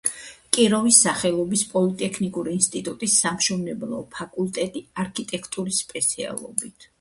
კიროვის სახელობის პოლიტექნიკური ინსტიტუტის სამშენებლო ფაკულტეტი არქიტექტურის სპეციალობით.